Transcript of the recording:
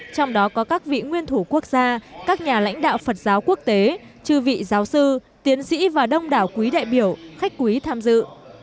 trong đó có các vị nguyên thủ quốc gia các nhà lãnh đạo phật giáo quốc tế chư vị giáo sư tiến sĩ và đông đảo quý đại biểu khách quý tham dự